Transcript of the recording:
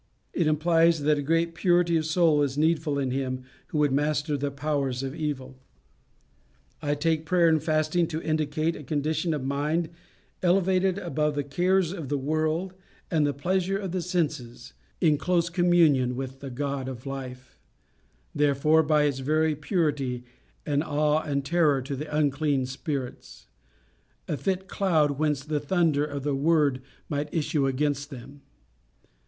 It implies that a great purity of soul is needful in him who would master the powers of evil. I take prayer and fasting to indicate a condition of mind elevated above the cares of the world and the pleasures of the senses, in close communion with the God of life; therefore by its very purity an awe and terror to the unclean spirits, a fit cloud whence the thunder of the word might issue against them.